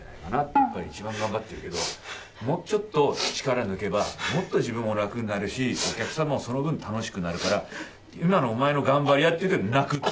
お前、一番頑張ってるけど、もうちょっと力抜けば、もっと自分も楽になるし、お客さんもその分、楽しくなるから、今のお前の頑張りはって言って、泣く。